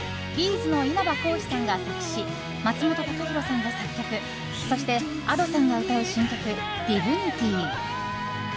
’ｚの稲葉浩志さんが作詞松本孝弘さんが作曲そしてＡｄｏさんが歌う新曲「ＤＩＧＮＩＴＹ」。